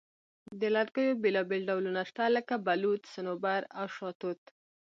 د لرګیو بیلابیل ډولونه شته، لکه بلوط، صنوبر، او شاهتوت.